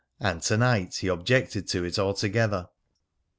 And to night he objected to it altogether.